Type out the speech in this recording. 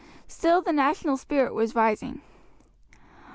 Still the national spirit was rising.